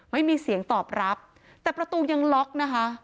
ไม่มีเสียงตอบรับแต่ประตูยังล็อกนะคะ